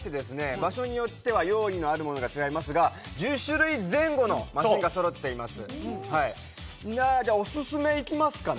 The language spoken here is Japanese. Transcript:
場所によっては用意のあるものが違いますが１０種類前後のマシンがそろっていますじゃあオススメいきますかね